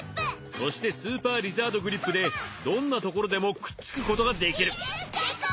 そしてスーパー・リザード・グリップでどんなところでもくっつくことができる。